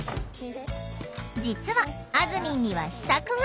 実はあずみんには秘策が！